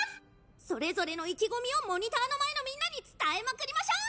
「それぞれの意気込みをモニターの前のみんなに伝えまくりましょう！」。